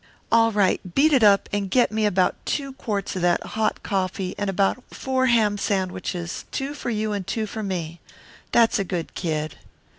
"All right. Beat it up and get me about two quarts of that hot coffee and about four ham sandwiches, two for you and two for me. That's a good kid."